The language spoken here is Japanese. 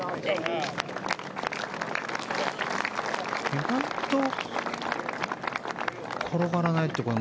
意外と転がらないというか